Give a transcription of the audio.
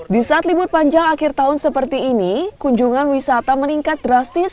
di saat libur panjang akhir tahun seperti ini kunjungan wisata meningkat drastis